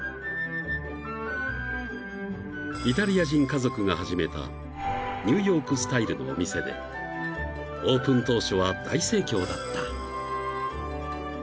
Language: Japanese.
［イタリア人家族が始めたニューヨークスタイルのお店でオープン当初は大盛況だった］